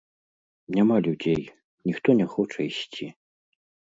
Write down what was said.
Няма людзей, ніхто не хоча ісці.